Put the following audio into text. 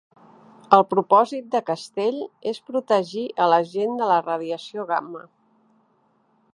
El propòsit de castell és protegir a la gent de la radiació gamma.